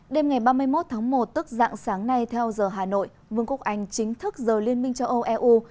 đêm ngày ba mươi một tháng một tức dạng sáng nay theo giờ hà nội vương quốc anh chính thức giờ liên minh châu âu eu